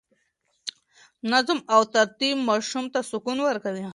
نظم او ترتیب ماشوم ته سکون ورکوي.